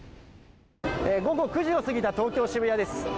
午後９時を過ぎた東京・渋谷です。